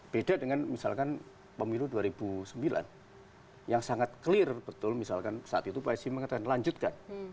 beda dengan misalkan pemilu dua ribu sembilan yang sangat clear betul misalkan saat itu psi mengatakan lanjutkan